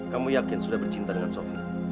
kamu yakin sudah bercinta dengan sofi